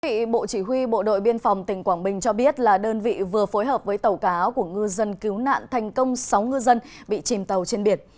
bộ chỉ huy bộ đội biên phòng tỉnh quảng bình cho biết là đơn vị vừa phối hợp với tàu cá của ngư dân cứu nạn thành công sáu ngư dân bị chìm tàu trên biển